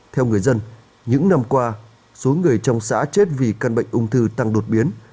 theo người dân những năm qua số người trong xã chết vì căn bệnh ung thư tăng đột biến